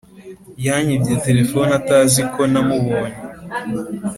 yanyibye telephone atazi ko namubonye